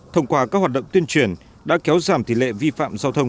thông qua các hoạt động tuyên truyền đã kéo giảm tỷ lệ vi phạm giao thông